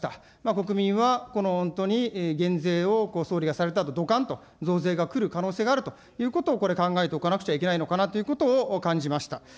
国民はこの本当に減税を総理がされたあと、どかんと増税がくる可能性があるということをこれ、考えておかなきゃいけないのかなということを感じました。